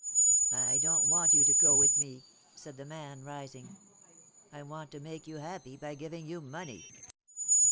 "I don't want you to go with me," said the man, rising. "I want to make you happy by giving you money."